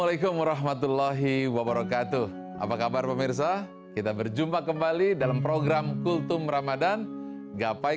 itulah kemuliaan ramadhan